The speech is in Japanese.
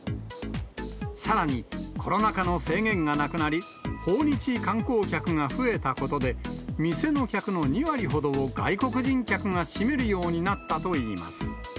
さらに、コロナ禍の制限がなくなり、訪日観光客が増えたことで、店の客の２割ほどを外国人客が占めるようになったといいます。